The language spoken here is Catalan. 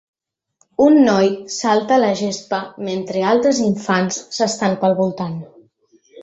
Un noi salta a la gespa mentre altres infants s'estan pel voltant.